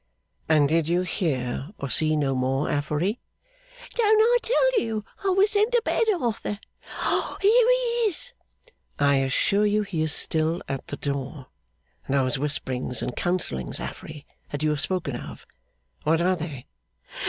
'And did you hear or see no more, Affery?' 'Don't I tell you I was sent to bed, Arthur! Here he is!' 'I assure you he is still at the door. Those whisperings and counsellings, Affery, that you have spoken of. What are they?